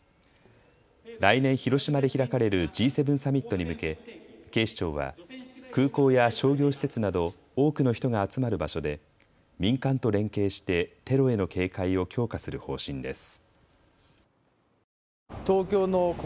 来年、広島で開かれるＧ７サミットに向け警視庁は空港や商業施設など多くの人が集まる場所で民間と連携してテロへの警戒を強化する方針です。